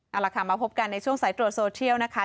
เอาล่ะค่ะมาพบกันในช่วงสายตรวจโซเทียลนะคะ